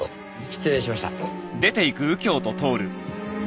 失礼しました。